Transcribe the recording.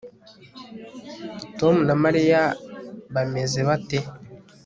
tom na mariya bameze bate